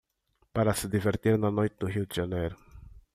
para se divertir na noite do Rio de Janeiro.